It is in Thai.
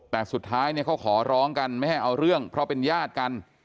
แต่สุดท้ายเนี่ยเขาขอร้องกันไม่ให้เอาเรื่องเพราะเป็นญาติกัน